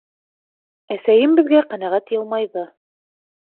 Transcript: Әсәйем беҙгә ҡәнәғәт йылмайҙы.